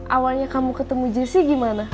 awalnya kamu ketemu jessey gimana